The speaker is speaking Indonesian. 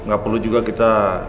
gak perlu juga kita